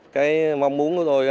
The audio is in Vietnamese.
cái mong muốn của tôi là